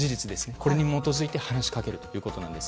これに基づいて話しかけるということです。